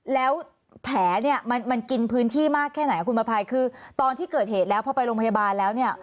แล้วแผลเนี่ยมันกินพื้นที่มากแค่ไหนคุณประภัยคือตอนที่เกิดเหตุแล้วพอไปโรงพยาบาลแล้วเนี่ย